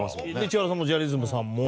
千原さんもジャリズムさんも。